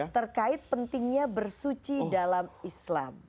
terkait pentingnya bersuci dalam islam